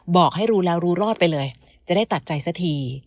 บอกให้รู้แล้วรู้รอดไปเลยจะได้ตัดใจสักที